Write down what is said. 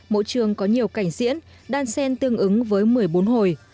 mỗi trường có nhiều cảnh diễn đan sen tương ứng với một mươi bốn hồi